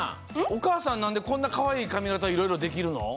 おかあさんなんでこんなかわいいかみがたいろいろできるの？